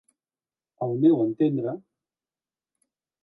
Al meu entendre.